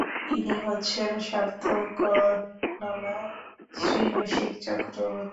ইনি হচ্ছেন সার্থকনামা শ্রীরসিক চক্রবর্তী।